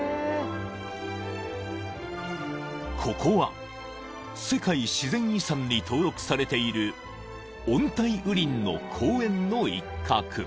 ［ここは世界自然遺産に登録されている温帯雨林の公園の一角］